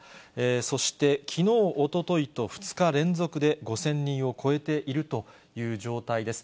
そしてきのう、おとといと２日連続で５０００人を超えているという状態です。